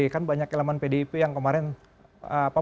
kan banyak elemen pdip yang kemarin menolak alasan